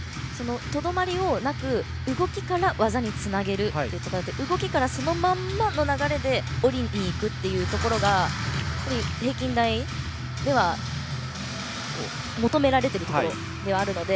とどまりなく動きから技につなげる動きからそのままの流れで下りに行くというところが平均台では求められているところではあるので。